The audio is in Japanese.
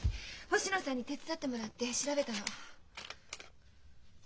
星野さんに手伝ってもらって調べたの。